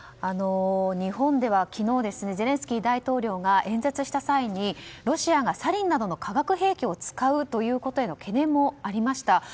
日本では昨日ゼレンスキー大統領が演説した際にロシアがサリンなどの化学兵器を使うことへの懸念もありました。